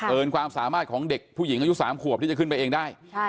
ความสามารถของเด็กผู้หญิงอายุ๓ขวบที่จะขึ้นไปเองได้